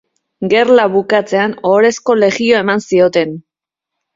Gerla bukatzean, Ohorezko Legioa eman zioten.